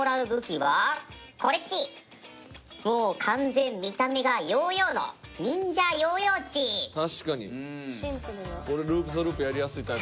完全に見た目がヨーヨーのシンプルな。